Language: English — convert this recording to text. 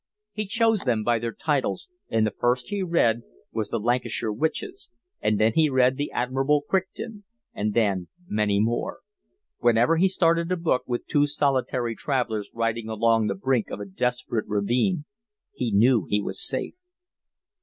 He chose them by their titles, and the first he read was The Lancashire Witches, and then he read The Admirable Crichton, and then many more. Whenever he started a book with two solitary travellers riding along the brink of a desperate ravine he knew he was safe.